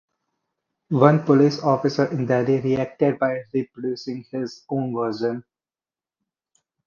One police officer in Delhi reacted by reproducing his own version.